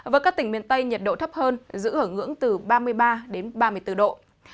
với các tỉnh miền tây nhiệt độ thấp hơn giữ ở ngưỡng từ ba mươi ba đến ba mươi bốn độ